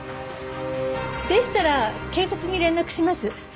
でしたら警察に連絡します。